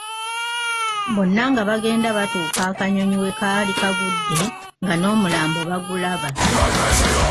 Bonna nga bagenda batuuka akanyonyi wekaali kagudde nga n’omulambo bagulaba.